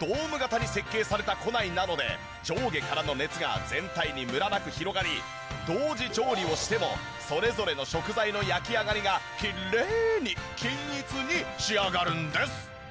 ドーム形に設計された庫内なので上下からの熱が全体にムラなく広がり同時調理をしてもそれぞれの食材の焼き上がりがきれいに均一に仕上がるんです！